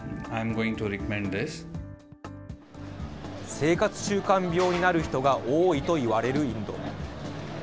生活習慣病になる人が多いといわれるインド。